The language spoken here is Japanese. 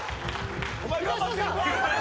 お前頑張ってるか？